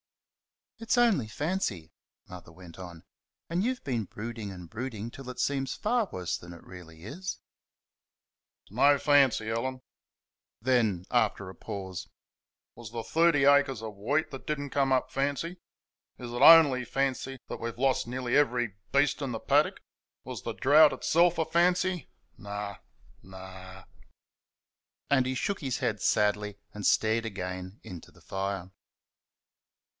"It's only fancy," Mother went on. "And you've been brooding and brooding till it seems far worse than it really is." "It's no fancy, Ellen." Then, after a pause "Was the thirty acres of wheat that did n't come up fancy? Is it only fancy that we've lost nearly every beast in the paddock? Was the drought itself a fancy? No no." And he shook his head sadly and stared again into the fire.